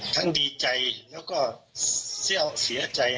ทั้งดีใจแล้วก็เสียใจ